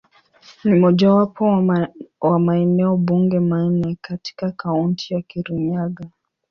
Ni mojawapo wa maeneo bunge manne katika Kaunti ya Kirinyaga.